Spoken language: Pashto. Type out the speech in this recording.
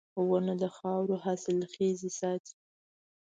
• ونه د خاورو حاصلخېزي ساتي.